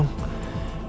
nanti mama histeris lah